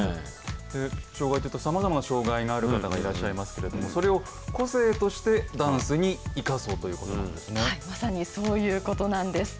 障害というと、さまざまな障害がある方がいらっしゃいますけれども、それを個性としてダンスに生かそうということなんですね。